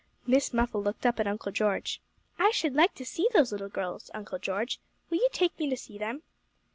Miss Muffle looked up at Uncle George. 'I should like to see those little girls, Uncle George. Will you take me to see them?